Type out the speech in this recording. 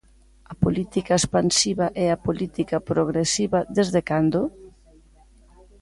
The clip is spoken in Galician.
¿A política expansiva e a política progresiva desde cando?